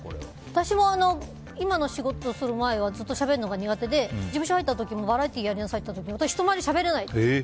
私は今の仕事をする前はしゃべるのが苦手で事務所入った時もバラエティーやりなさいって言われて人前でしゃべれない。